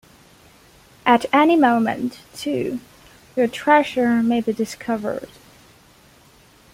At any moment, too, your treasure may be discovered.